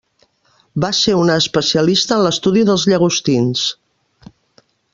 Va ser una especialista en l’estudi dels llagostins.